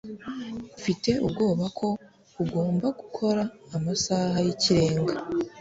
Mfite ubwoba ko ugomba gukora amasaha y'ikirenga.